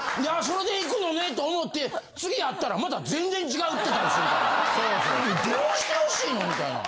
それでいくのねと思って次会ったらまた全然違ってたりするからどうしてほしいの？みたいな。